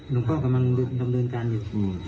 หลวงพ่อกำลังดำเนินการอยู่